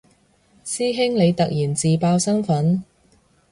師兄你突然自爆身份